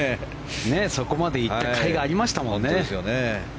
そこまで行ったかいがありましたよね。